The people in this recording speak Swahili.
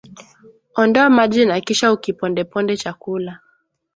Ondoa maji na kisha ukipondeponde chakula